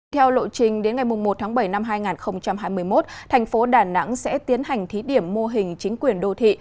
theo lộ trình đến ngày một tháng bảy năm hai nghìn hai mươi một thành phố đà nẵng sẽ tiến hành thí điểm mô hình chính quyền đô thị